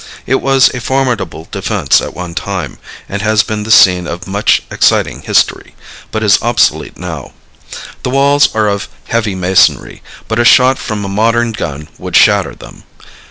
It was a formidable defense at one time, and has been the scene of much exciting history, but is obsolete now. The walls are of heavy masonry, but a shot from a modern gun would shatter them.